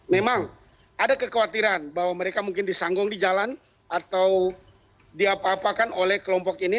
memang ada kekhawatiran bahwa mereka mungkin disanggung di jalan atau diapa apakan oleh kelompok ini